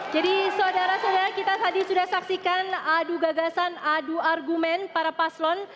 jadi saudara saudara kita tadi sudah saksikan adu gagasan adu argumen para paslon